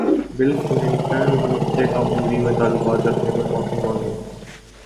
بل Clinton مجھ سے کم عمری میں تعلقات رکھنے پر معافی مانگیں مونیکا لیونسکی